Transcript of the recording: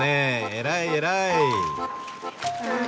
偉い偉い。